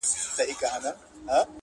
هغه خو دا خبري پټي ساتي-